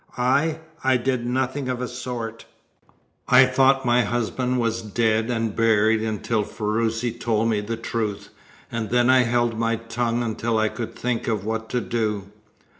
"I? I did nothing of the sort. I thought my husband was dead and buried until Ferruci told me the truth, and then I held my tongue until I could think of what to do.